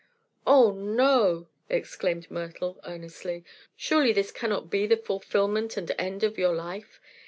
"Oh, no!" exclaimed Myrtle, earnestly. "Surely this cannot be the fulfillment and end of your life.